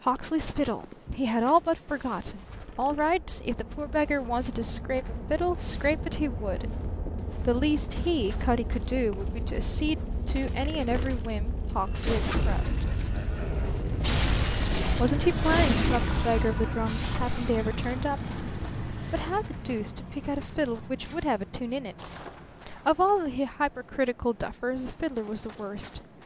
Hawksley's fiddle! He had all but forgotten. All right. If the poor beggar wanted to scrape a fiddle, scrape it he should. The least he, Cutty, could do would be to accede to any and every whim Hawksley expressed. Wasn't he planning to rob the beggar of the drums, happen they ever turned up? But how the deuce to pick out a fiddle which would have a tune in it? Of all the hypercritical duffers the fiddler was the worst.